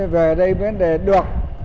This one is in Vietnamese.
về đây mới để được